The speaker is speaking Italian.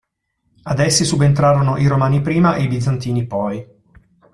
Ad essi subentrarono i Romani prima e i Bizantini poi.